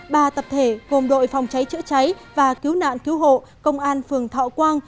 ba tập thể gồm đội phòng cháy chữa cháy và cứu nạn cứu hộ công an phường thọ quang